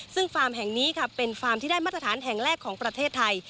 ซึ่งฟาร์มแห่งนี้ค่ะเป็นฟาร์มที่ได้มาตรฐานแห่งแรกของประเทศไทย